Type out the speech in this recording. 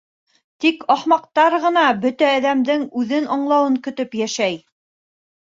- Тик ахмаҡтар ғына бөтә әҙәмдең үҙен аңлауын көтөп йәшәй.